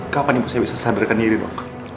kapan ibu saya bisa sadarkan diri dok